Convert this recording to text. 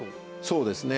そうですね。